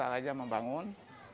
masyarakat aja membangun